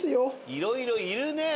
いろいろいるね。